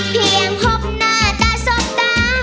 เพียงพบหน้าตาสดตา